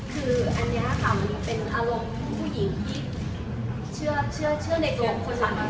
คืออันนี้ครับเป็นอารมณ์ผู้หญิงที่เชื่อในตัวของคนหลัง